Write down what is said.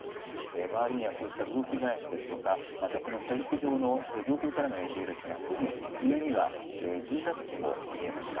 周りにはこうした雑木林ですとかまたこの射撃場の上空からの映像ですがすぐ上には住宅地も見えました。